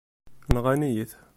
Nɣan-iyi-t.